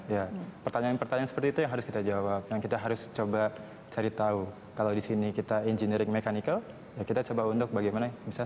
ya pertanyaan pertanyaan seperti itu yang harus kita jawab yang kita harus coba cari tahu kalau di sini kita engineering mechanical ya kita coba untuk bagaimana bisa